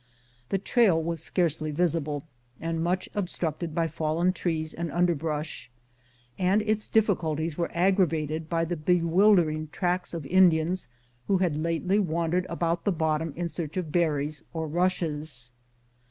The trail was scarcely visible, and much obstructed by fallen trees and underbrush, and its difficulties were aggravated by the bewildering tracks of Indians who haa lately wandered about the bottom in search of berries or rushes.